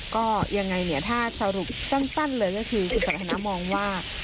ก็ยังไงเนี่ยถ้าสรุปสั้นเลยก็คือคุณสันทนามองว่า